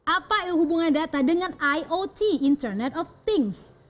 apa hubungan data dengan iot internet of things